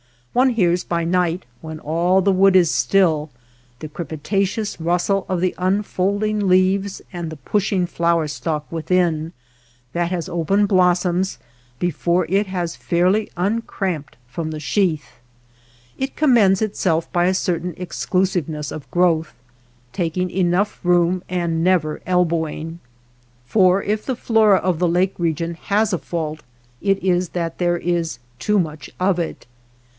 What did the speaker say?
One hears by night, when all the wood is still, the crepi tatious rustle of the unfolding leaves and 218 WATER BORDERS the pushing flower stalk within, that has open blossoms before it has fairly un cramped from the sheath. It commends itself by a certain exclusiveness of growth, taking enough room and never elbowing ; for if the flora of the lake region has a fault it is that there is too much of it.